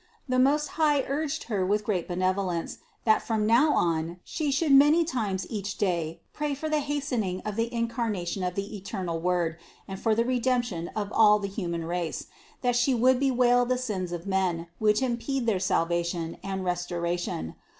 393. The Most High urged Her with great benevo lence, that from now on She should many times each day pray for the hastening of the Incarnation of the eternal Word and for the Redemption of all the human race, and that She should bewail the sins of men, which impede their salvation and restoration.